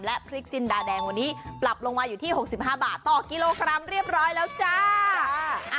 และพริกจินดาแดงวันนี้ปรับลงมาอยู่ที่๖๕บาทต่อกิโลกรัมเรียบร้อยแล้วจ้า